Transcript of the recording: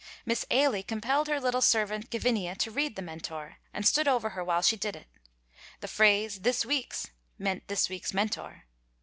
Miss Ailie compelled her little servant, Gavinia, to read the Mentor, and stood over her while she did it; the phrase, "this week's," meant this week's Mentor.